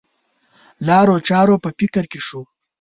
لارو چارو په فکر کې شو.